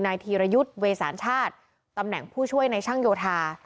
ธีรยุทธ์เวสานชาติตำแหน่งผู้ช่วยในช่างโยธา